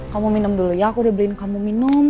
kamu minum dulu ya aku udah beliin kamu minum